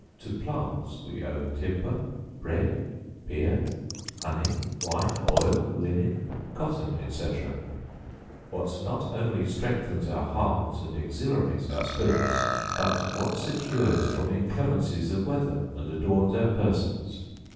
To plants we owe timber, bread, beer, honey, wine, oil, linen, cotton, etc., what not only strengthens our hearts, and exhilarates our spirits, but what secures from inclemencies of weather and adorns our persons.